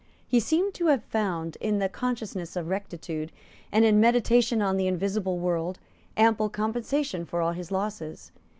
He seemed to have found, in the consciousness of rectitude, and in meditation on the invisible world, ample compensation for all his losses.